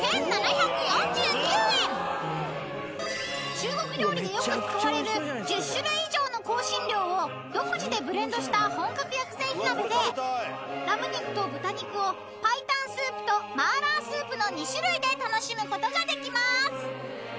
［中国料理でよく使われる１０種類以上の香辛料を独自でブレンドした本格薬膳火鍋でラム肉と豚肉を白湯スープと麻辣スープの２種類で楽しむことができます］